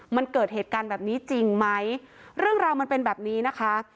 มันเกิดเหตุการณ์แบบนี้จริงไหมเรื่องราวมันเป็นแบบนี้นะคะ